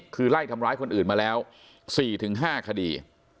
คือไล่ทำร้ายคนอื่นมาแล้วสี่ถึงห้าคดี